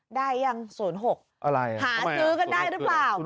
ได้ยัง๐๖หาซื้อกันได้หรือเปล่า